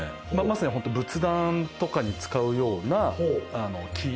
まさに仏壇とかに使うような木。